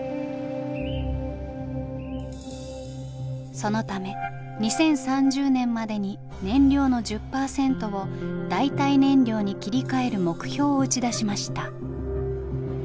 そのため２０３０年までに燃料の１０％を代替燃料に切り替える目標を打ち出しました。